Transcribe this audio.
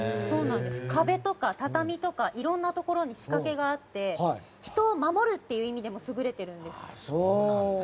壁とか、畳とかいろんなところに仕掛けがあって人を守るという意味でも優れてるんです。